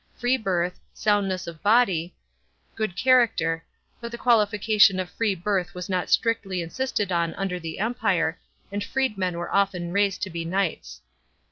free birth, soundness of body, good character, but the qualification of free birth was not strictly insisted on under the Empire, and freedmen were often raised to be knights.